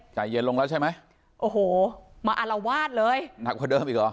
ใจเย็นลงแล้วใช่ไหมโอ้โหมาอารวาสเลยหนักกว่าเดิมอีกเหรอ